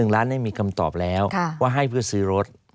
๑ล้านมีคำตอบแล้วว่าให้เพื่อซื้อรถ